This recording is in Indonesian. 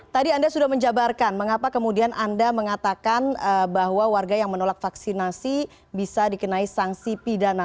tadi anda sudah menjabarkan mengapa kemudian anda mengatakan bahwa warga yang menolak vaksinasi bisa dikenai sanksi pidana